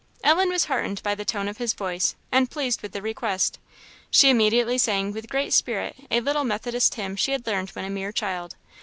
Ellen was heartened by the tone of his voice, and pleased with the request. She immediately sang with great spirit a little Methodist hymn she had learned when a mere child.